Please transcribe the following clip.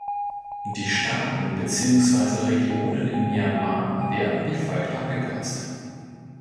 Die Staaten beziehungsweise Regionen in Myanmar werden wie folgt abgekürzt